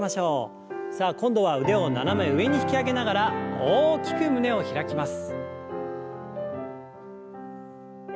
さあ今度は腕を斜め上に引き上げながら大きく胸を開きます。